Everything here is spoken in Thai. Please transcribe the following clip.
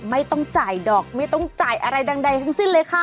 ไม่ต้องจ่ายดอกไม่ต้องจ่ายอะไรดังใดทั้งสิ้นเลยค่ะ